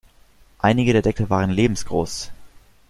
Einige der Deckel waren lebensgroß.